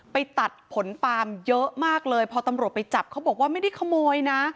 ไปตัดผลปาล์มเยอะมากเลยพอตำรวจไปจับเขาบอกว่าไม่ได้ขโมยนะ